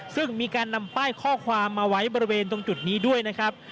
ซึ่งมีการนำป้ายข้อความมาไว้บริเวณตรงจุดนี้ด้วยนะครับ